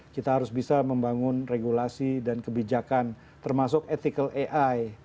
kita harus bisa membangun regulasi dan kebijakan termasuk ethical ai